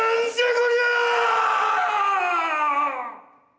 こりゃ！